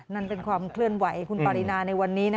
นั่นเป็นความเคลื่อนไหวคุณปารินาในวันนี้